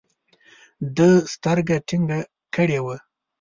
ده سترګه ټينګه کړې وه.